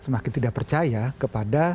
semakin tidak percaya kepada